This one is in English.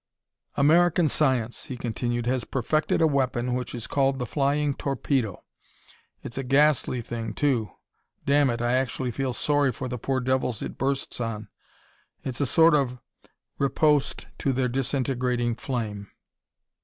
"American science," he continued, "has perfected a weapon which is called the 'flying torpedo.' It's a ghastly thing, too. Damn it, I actually feel sorry for the poor devils it bursts on! It's a sort of riposte to their disintegrating flame.